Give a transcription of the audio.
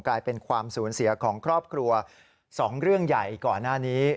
กลายเป็นความสูญเสียของครอบครัว๒เรื่องใหญ่ก่อนหน้านี้